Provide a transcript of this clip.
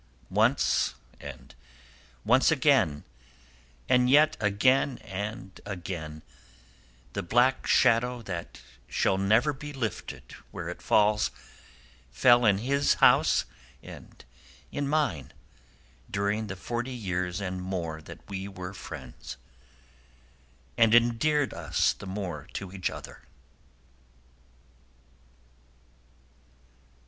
Once and once again, and yet again and again, the black shadow that shall never be lifted where it falls, fell in his house and in mine, during the forty years and more that we were friends, and endeared us the more to each other.